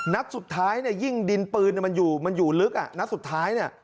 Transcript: นัดสุดท้ายเนี่ยยิ่งดินปืนมันอยู่มันอยู่ลึกอะ